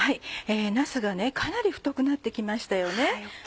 なすがかなり太くなって来ましたよね。